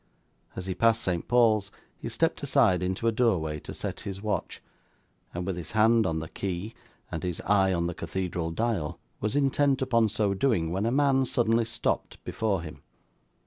As he passed St Paul's he stepped aside into a doorway to set his watch, and with his hand on the key and his eye on the cathedral dial, was intent upon so doing, when a man suddenly stopped before him.